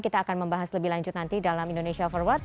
kita akan membahas lebih lanjut nanti dalam indonesia forward